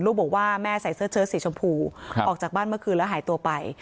บอกว่าแม่ใส่เสื้อเชิดสีชมพูออกจากบ้านเมื่อคืนแล้วหายตัวไป